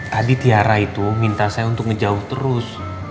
tadi tiara itu minta saya untuk ngejauh terus